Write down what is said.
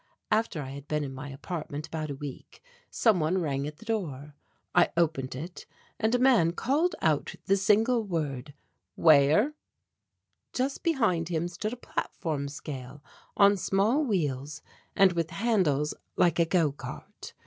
After I had been in my apartment about a week, some one rang at the door. I opened it and a man called out the single word, "Weigher." Just behind him stood a platform scale on small wheels and with handles like a go cart.